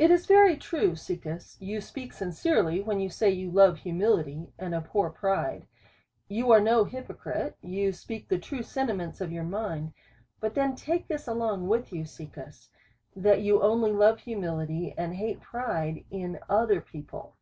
It is very true, Caecus, you speak sincerely when you say you love humility, and abhor pride. You are no hyprocrite, you speak the true sentiments of your mind ; but then take this along with you, Caecus, that you only love humility, and hate pride, in other peo ple.